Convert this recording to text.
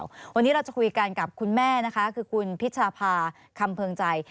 วันนี้เราจะคุยกันกับคุณแม่นะคะคือคุณพิชภาคำเพิงใจ